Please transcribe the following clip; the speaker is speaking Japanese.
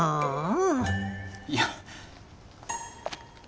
いや。